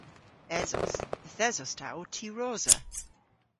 Esos. Yth esos ta ow tiwrosa.